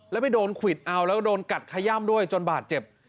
แล้วไปโดนควิดเอาแล้วโดนกัดขย่ำด้วยจนบาดเจ็บ